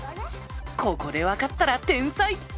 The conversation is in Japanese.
ここで分かったら天才！